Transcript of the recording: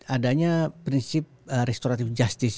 adanya prinsip restoratif justice